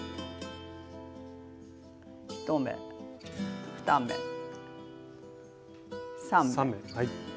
１目２目３目。